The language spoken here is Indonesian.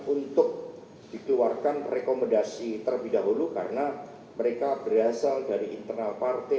untuk dikeluarkan rekomendasi terlebih dahulu karena mereka berasal dari internal partai